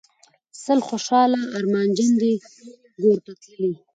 سل خوشحاله ارمانجن دي ګورته تللي